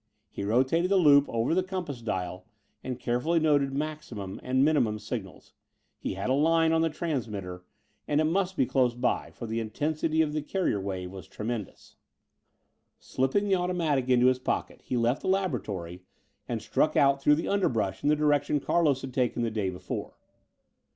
He rotated the loop over the compass dial and carefully noted maximum and minimum signals. He had a line on the transmitter! And it must be close by, for the intensity of the carrier wave was tremendous. Slipping the automatic into his pocket, he left the laboratory and struck out through the underbrush in the direction Carlos had taken the day before.